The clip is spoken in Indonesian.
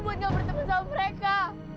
buat gak bertemu sama mereka